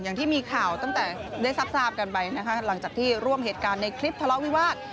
อย่างที่มีข่าวตั้งแต่ได้ทราบกันไปนะคะหลังจากที่ร่วมเหตุการณ์ในคลิปทะเลาะวิวาส